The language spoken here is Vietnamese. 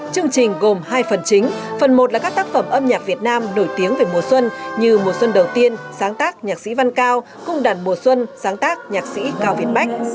chương trình gồm hai phần chính phần một là các tác phẩm âm nhạc việt nam nổi tiếng về mùa xuân như mùa xuân đầu tiên sáng tác nhạc sĩ văn cao cung đàn mùa xuân sáng tác nhạc sĩ cao việt bách